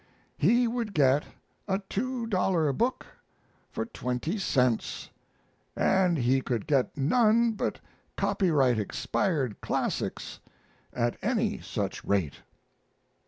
He would get a two dollar book for 20 cents, and he could get none but copyright expired classics at any such rate.